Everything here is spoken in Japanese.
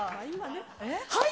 はい！